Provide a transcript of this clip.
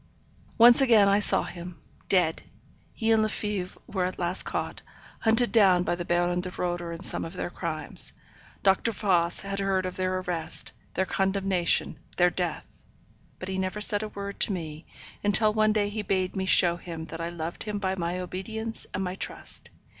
Once again I saw him. Dead. He and Lefebvre were at last caught; hunted down by the Baron de Roeder in some of their crimes. Dr. Voss had heard of their arrest; their condemnation, their death; but he never said a word to me, until one day he bade me show him that I loved him by my obedience and my trust.